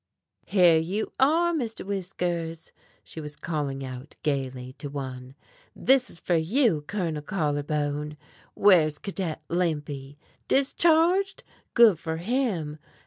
"Here you are, Mr. Whiskers!" she was calling out gaily to one. "This is for you, Colonel Collar Bone. Where's Cadet Limpy? Discharged? Good for him!